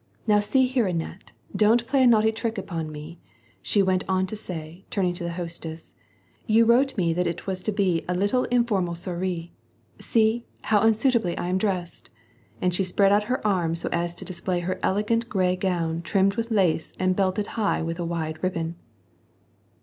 '^Kow see here, Annette, don't play a naughty trick upon me," she went on to say, turning to the hostess. '< You wrote me that it was to be a little informal soirie ; see^ how unsuitably I am dressed !" And she spread out her arms so as to display her elegant gray gown trimmed with lace and belted high with a wide ribbon.